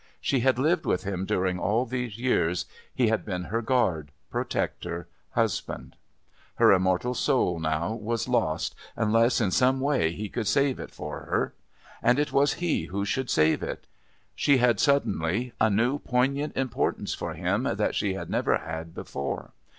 She had lived with him during all these years, he had been her guard, protector, husband. Her immortal soul now was lost unless in some way he could save it for her. And it was he who should save it. She had suddenly a new poignant importance for him that she had never had before.